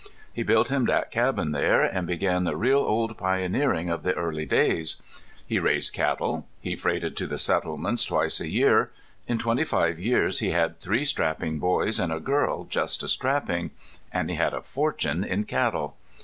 He built him that cabin there and began the real old pioneering of the early days. He raised cattle. He freighted to the settlements twice a year. In twenty five years he had three strapping boys and a girl just as strapping. And he had a fortune in cattle.